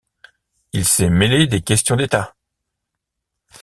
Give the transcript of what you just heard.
Il s’est mêlé des questions d’état!